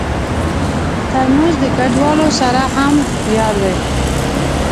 ترموز د کډوالو سره هم یار دی.